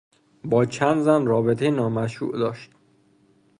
با چند زن رابطهی نامشروع داشت.